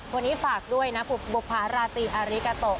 วันนี้ฝากด้วยนะบุภาราตรีอาริกาโต